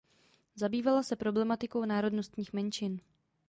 Zabývala se problematikou národnostních menšin.